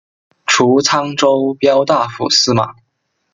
除沧州骠大府司马。